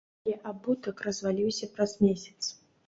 Але абутак разваліўся праз месяц.